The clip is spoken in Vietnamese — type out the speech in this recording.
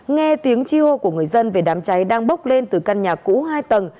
nghe tiếng chi hô của người dân về đám cháy đang bốc lên từ căn nhà cũ hai tầng